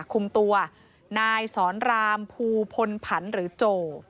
คุมตัวนายสอนรามภูพลผันหรือโจ